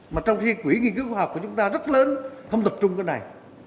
mà trong khi quỹ nghiên cứu khoa học của chúng ta rất lớn không tập trung cái này